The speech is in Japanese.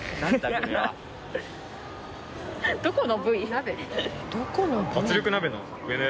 「どこの部位」？